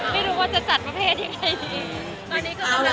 ไม่รู้ว่าจะจัดประเภทยังไงดี